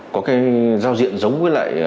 có giao diện giống với lại